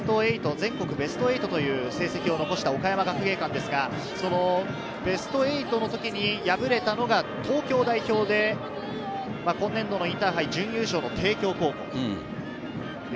全国ベスト８という成績を残した岡山学芸館ですが、そのベスト８の時に敗れたのが東京代表で今年度のインターハイ準優勝の帝京高校。